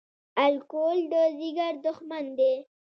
الکول د ځیګر دښمن دی